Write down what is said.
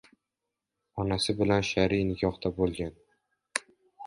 onasi bilan shar’iy nikohda bo‘lgan